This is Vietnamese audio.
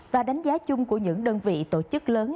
và đánh giá chung của những đơn vị tổ chức lớn